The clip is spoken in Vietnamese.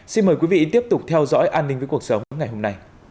xin mời quý vị tiếp tục theo dõi an ninh với cuộc sống ngày hôm nay